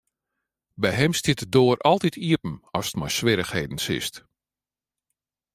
By him stiet de doar altyd iepen ast mei swierrichheden sitst.